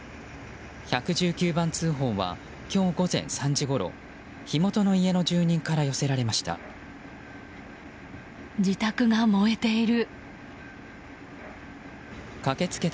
１１９番通報は今日午前３時ごろ火元の家の住人から寄せられました。